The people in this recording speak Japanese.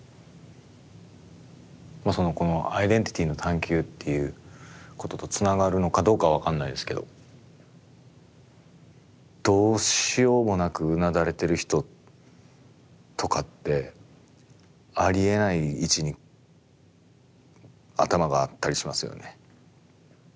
このアイデンティティーの探求っていうこととつながるのかどうかは分かんないですけどどうしようもなくうなだれてる人とかってありえない位置に頭があったりしますよね。